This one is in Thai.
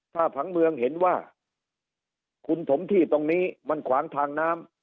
ถ้าผังเมืองเห็นว่าคุณถมที่ตรงนี้มันขวางทางน้ำ